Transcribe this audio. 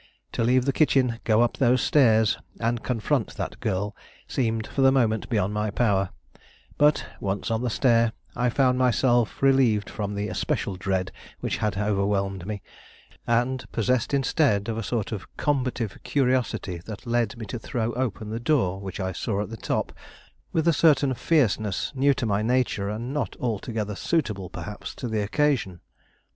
To leave the kitchen, go up those stairs, and confront that girl seemed for the moment beyond my power; but, once on the stair, I found myself relieved from the especial dread which had overwhelmed me, and possessed, instead, of a sort of combative curiosity that led me to throw open the door which I saw at the top with a certain fierceness new to my nature, and not altogether suitable, perhaps, to the occasion.